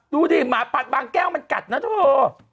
ดูดิหมาผัดบางแก้วมันกัดนะเธอ